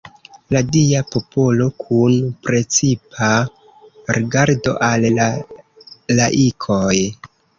La Dia popolo kun precipa rigardo al la laikoj.